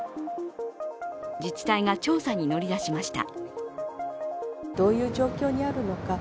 自治体が調査に乗り出しました。